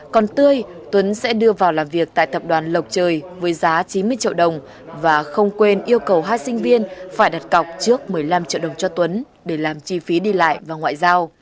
còn tươi tuấn sẽ đưa vào làm việc tại tập đoàn lộc trời với giá chín mươi triệu đồng và không quên yêu cầu hai sinh viên phải đặt cọc trước một mươi năm triệu đồng cho tuấn để làm chi phí đi lại và ngoại giao